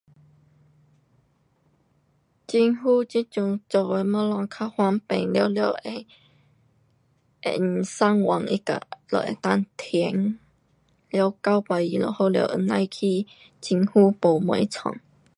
很好，这阵做的东西较方便，全部会 um 上网它哪里可以填，了交上就好了，不用去政府部门弄。